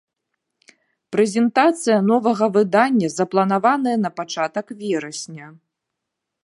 Прэзентацыя новага выдання запланаваная на пачатак верасня!